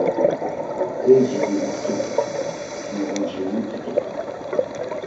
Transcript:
Ey cidi him mtzupe na vonç̌vinamt̆itupe!